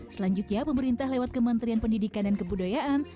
selanjutnya pemerintah lewat kementerian pendidikan dan kebudayaan